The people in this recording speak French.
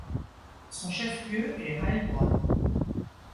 Son chef lieu est Heilbronn.